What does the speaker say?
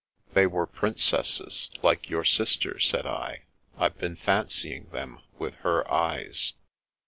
" They were Princesses, like your sister," said I. " I've been fancying them with her ^es."